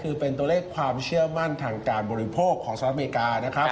คือเป็นตัวเลขความเชื่อมั่นทางการบริโภคของสหรัฐอเมริกานะครับ